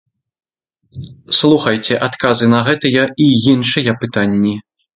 Слухайце адказы на гэтыя і іншыя пытанні.